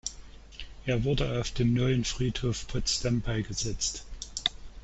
Er wurde auf dem Neuen Friedhof Potsdam beigesetzt.